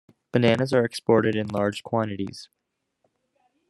Bananas are exported in large quantities.